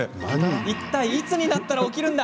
いったい、いつになったら起きるんだ？